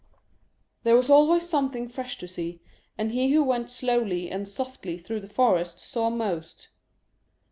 There was always something fresh to see, and he who went slowly and softly through the forest saw most.